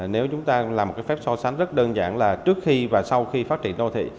nếu chúng ta làm một cái phép so sánh rất đơn giản là trước khi và sau khi phát triển đô thị